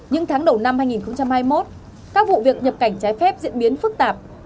những tháng đầu năm hai nghìn hai mươi một các vụ việc nhập cảnh trái phép diễn biến phức tạp